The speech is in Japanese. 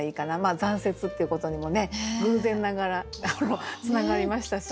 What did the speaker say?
残雪っていうことにもね偶然ながらつながりましたし。